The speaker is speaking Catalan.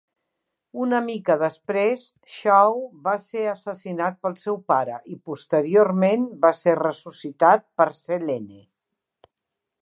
Una mica després, Shaw va ser assassinat pel seu pare, i posteriorment va ser ressuscitat per Selene.